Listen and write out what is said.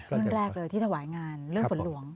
รุ่นแรกเลยที่ถวายงานเรื่องฝนหลวง